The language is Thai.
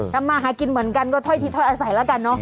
ทำมาหากินเหมือนกันก็ถ้อยทีถ้อยอาศัยแล้วกันเนอะ